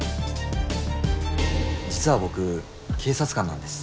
実は僕警察官なんです。